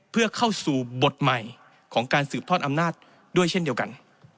เพื่อเข้าสู่บทใหม่ของการสืบทอดอำนาจด้วยเช่นเดียวกัน